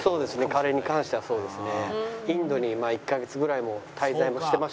カレーに関してはそうですね。